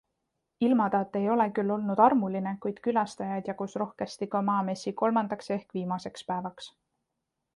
Ilmataat ei ole küll olnud armuline, kuid külastajaid jagus rohkesti ka Maamessi kolmandaks ehk viimaseks päevaks.